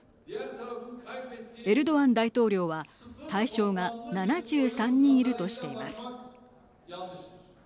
エルドアン大統領は対象が７３人いるとしています。